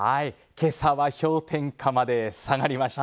今朝は氷点下まで下がりました。